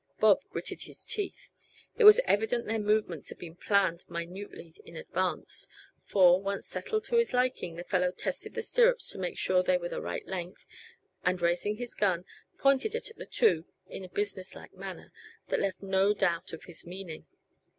Bob gritted his teeth. It was evident their movements had been planned minutely in advance, for, once settled to his liking, the fellow tested the stirrups to make sure they were the right length, and raising his gun pointed it at the two in a business like manner that left no doubt of his meaning.